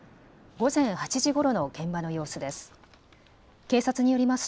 午前８時ごろの現場の様子です。